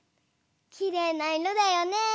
きれいないろだよね。